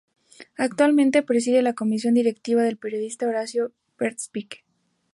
Actualmente preside la comisión directiva el periodista Horacio Verbitsky.